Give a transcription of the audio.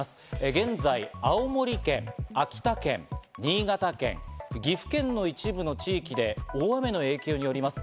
現在、青森県、秋田県、新潟県、岐阜県の一部の地域で大雨の影響によります